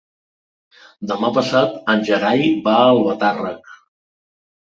Demà passat en Gerai va a Albatàrrec.